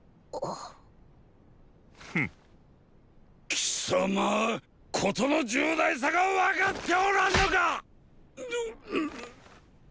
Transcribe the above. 貴様事の重大さが分かっておらんのか⁉ぬっ！